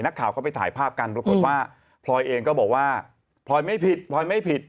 นักข่าวเข้าไปถ่ายภาพกันปรากฏว่าพลอยเองก็บอกว่าพลอยไม่ผิดพลอยไม่ผิด